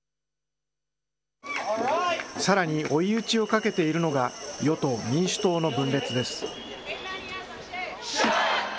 さらに、追い打ちをかけているのが与党・民主党の分裂です。